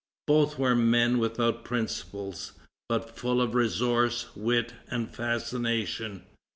Both were men without principles, but full of resource, wit, and fascination.